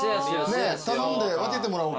頼んで分けてもらおうか。